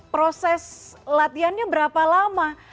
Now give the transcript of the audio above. proses latihannya berapa lama